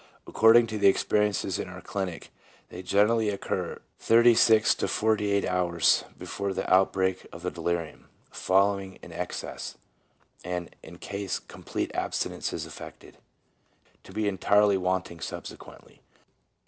According to the experiences in our clinic they generally occur thirty six to forty eight hours before the outbreak of the delirium, following an excess, and in case complete abstinence is effected, to be entirely wanting subsequently.